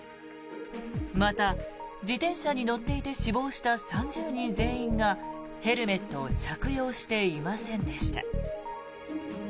また、自転車に乗っていて死亡した３０人全員がヘルメットを着用していませんでした。